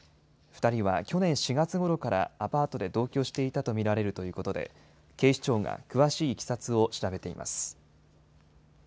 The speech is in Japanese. ２人は去年４月ごろからアパートで同居していたと見られるということで、警視庁が詳しいいきさつを調べています。